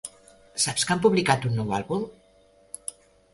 Saps que han publicat un nou àlbum?